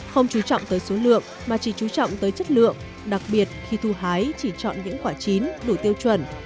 không chú trọng tới số lượng mà chỉ chú trọng tới chất lượng đặc biệt khi thu hái chỉ chọn những quả chín đủ tiêu chuẩn